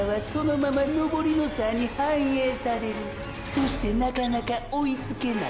そしてなかなか追いつけない。